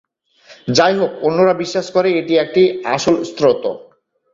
যাইহোক, অন্যরা বিশ্বাস করে এটি একটি আসল স্তোত্র।